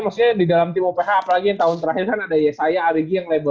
maksudnya di dalam tim uph apalagi tahun terakhir kan ada yesaya arigi yang labelnya cukup